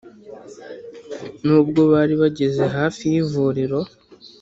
n’ubwo bari bageze hafi y’ivuriro